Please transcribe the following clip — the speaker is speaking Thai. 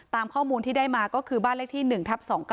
ตามข้อมูลที่ได้มาก็คือบ้านเลขที่๑ทับ๒๙